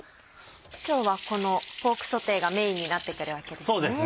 今日はこのポークソテーがメインになってくるわけですね。